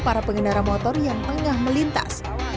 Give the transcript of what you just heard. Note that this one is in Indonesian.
para pengendara motor yang tengah melintas